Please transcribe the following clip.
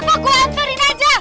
rafa gue antarin aja